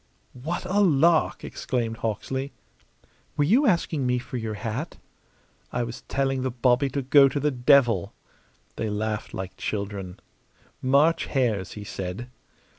"What a lark!" exclaimed Hawksley. "Were you asking me for your hat?" "I was telling the bobby to go to the devil!" They laughed like children. "March hares!" he said.